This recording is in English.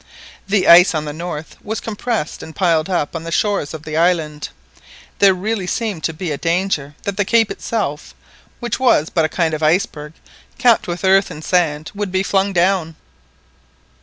The ice on the north was compressed and piled up on the shores of the island. There really seemed to be a danger that the cape itself which was but a kind of iceberg capped with earth and sand would be flung down.